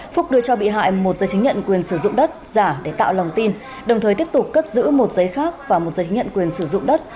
phúc đưa cho bị hại một giấy chứng nhận quyền sử dụng đất giả để tạo lòng tin đồng thời tiếp tục cất giữ một giấy khác và một giấy chứng nhận quyền sử dụng đất